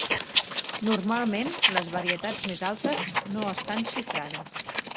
Normalment, les varietats més altes no estan xifrades.